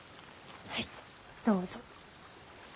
はいどうぞ。